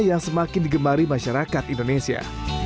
yang semakin digemari masyarakat indonesia